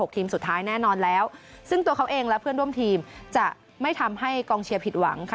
ทีมสุดท้ายแน่นอนแล้วซึ่งตัวเขาเองและเพื่อนร่วมทีมจะไม่ทำให้กองเชียร์ผิดหวังค่ะ